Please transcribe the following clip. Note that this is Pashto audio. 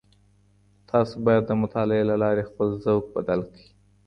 تاسو بايد د مطالعې له لاري خپل ذوق بدل کړئ.